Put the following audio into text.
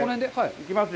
行きますよ。